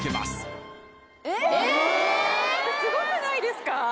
すごくないですか？